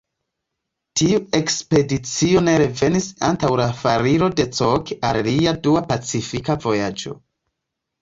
Tiu ekspedicio ne revenis antaŭ la foriro de Cook al lia dua Pacifika vojaĝo.